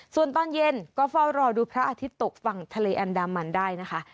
ส่วนตอนเย็นก็เฝ้ารอดูพระอาทิตย์ตกฝั่งทะเลอันดามันได้นะคะ